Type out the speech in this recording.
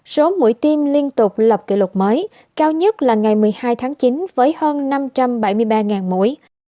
số mũi tiêm liên tục lập kỷ lục mới cao nhất là ngày một mươi hai tháng chín với hơn năm trăm bảy mươi ba mũi